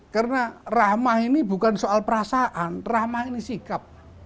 karena rahmah ini bukan soal perasaan rahmah ini sikap